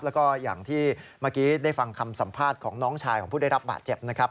แล้วก็อย่างที่เมื่อกี้ได้ฟังคำสัมภาษณ์ของน้องชายของผู้ได้รับบาดเจ็บนะครับ